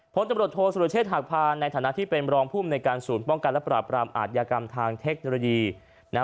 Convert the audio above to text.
ผลจำรวจโทรศัลยเชษฐ์หากผ่านในฐานะที่เป็นรองพุ่มในการสูญป้องกันและปราบปรามอาจยากรรมทางเทคโนโลยีนะฮะ